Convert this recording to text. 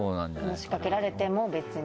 話しかけられても別に。